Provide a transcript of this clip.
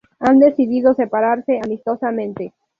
Han decidido separarse amistosamente.